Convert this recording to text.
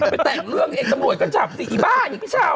ไปแต่งเรื่องเองตำรวจก็จับสิอีบ้าอีกพี่เช้า